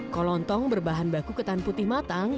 kolontong berbahan baku ketan putih matang